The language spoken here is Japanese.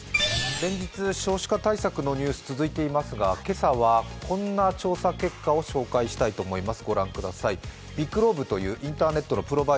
連日、少子化対策のニュースが続いていますが続いていますが、今朝はこんな調査結果を紹介したいと思います。